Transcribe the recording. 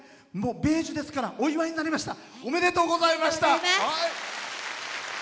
米寿ですからお祝いになりました。